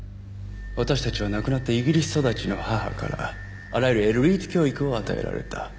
私たちは亡くなったイギリス育ちの母からあらゆるエリート教育を与えられた。